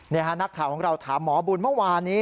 นักข่าวของเราถามหมอบุญเมื่อวานี้